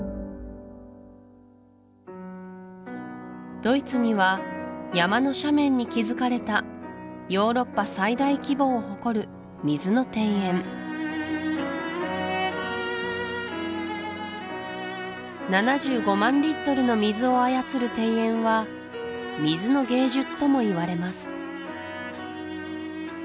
ドイツには山の斜面に築かれたヨーロッパ最大規模を誇る水の庭園７５万リットルの水を操る庭園は水の芸術ともいわれます